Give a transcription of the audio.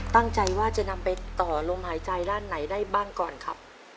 ตั้งใจว่าจะนำไปต่อลมหายใจด้านไหนได้บ้างก่อนครับ